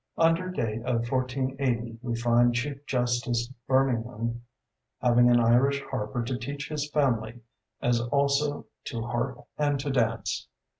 Under date of 1480, we find Chief Justice Bermingham having an Irish harper to teach his family, as also "to harp and to dance."